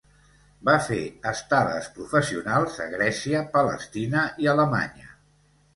Va fer estades professionals a Grècia, Palestina i Alemanya.